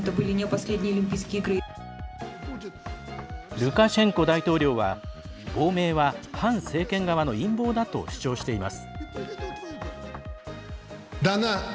ルカシェンコ大統領は亡命は、反政権側の陰謀だと主張しています。